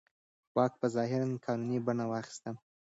واک په ظاهره قانوني بڼه واخیسته.